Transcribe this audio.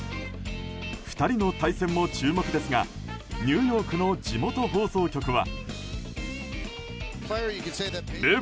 ２人の対戦も注目ですがニューヨークの地元放送局は。